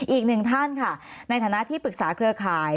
อีกหนึ่งท่านค่ะในฐานะที่ปรึกษาเครือข่าย